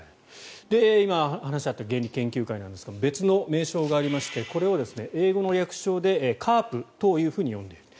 今お話があった原理研究会なんですが別の名称がありましてこれを英語の略称でカープと呼んでいる。